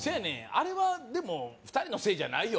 あれはでも２人のせいじゃないよ